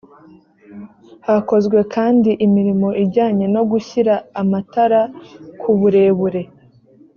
hakozwe kandi imirimo ijyanye no gushyira amatara ku burebure